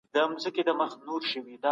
پانګه والي د خلګو ترمنځ فاصله زیاته کړه.